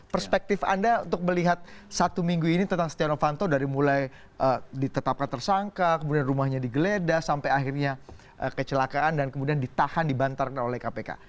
perspektif anda untuk melihat satu minggu ini tentang setia novanto dari mulai ditetapkan tersangka kemudian rumahnya digeledah sampai akhirnya kecelakaan dan kemudian ditahan dibantarkan oleh kpk